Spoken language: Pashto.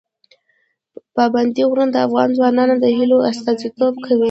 پابندي غرونه د افغان ځوانانو د هیلو استازیتوب کوي.